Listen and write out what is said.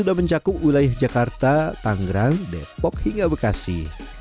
sudah mencakup wilayah jakarta tanggerang depok hingga bekasi